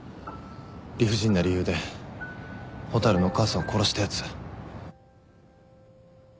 理不尽な理由で蛍のお母さんを殺したやつ。